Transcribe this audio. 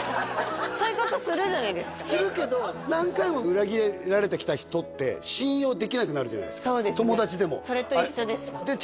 そういうことするじゃないですかするけど何回も裏切られてきた人って信用できなくなるじゃないですかそうですねそれと一緒ですじゃあ